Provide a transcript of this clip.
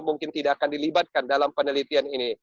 mungkin tidak akan dilibatkan dalam penelitian ini